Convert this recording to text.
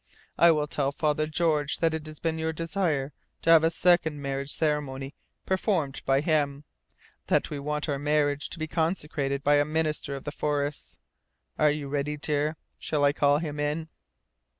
I will tell Father George that it has been your desire to have a SECOND marriage ceremony performed by him; that we want our marriage to be consecrated by a minister of the forests. Are you ready, dear? Shall I call him in?"